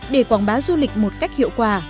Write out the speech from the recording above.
để quảng bá du lịch một cách hiệu quả